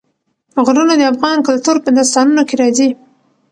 غرونه د افغان کلتور په داستانونو کې راځي.